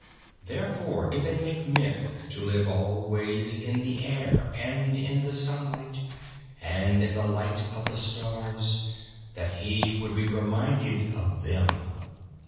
Therefore did they make men to live always in the air and in the sunlight, and in the light of the stars, that he would be reminded of them.